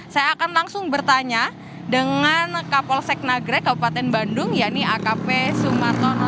saya akan langsung bertanya dengan kapolsek nagrek kabupaten bandung yakni akp sumarno